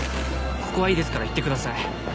ここはいいですから行ってください。